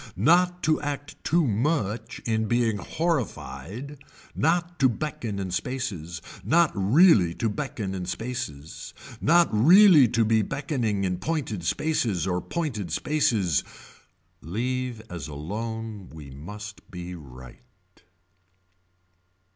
Not to act too much in being horrified. Not to beckon in spaces. Not really to beckon in spaces. Not really to be beckoning in pointed spaces or pointed spaces. Leave as alone we must be right.